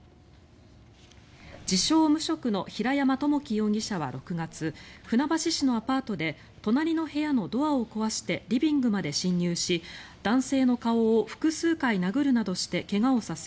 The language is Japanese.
自称・無職の平山智樹容疑者は６月船橋市のアパートで隣の部屋のドアを壊してリビングまで侵入し男性の顔を複数回殴るなどして怪我をさせ